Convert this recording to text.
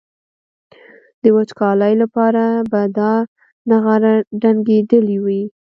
د وچکالۍ لپاره به دا نغاره ډنګېدلي وي.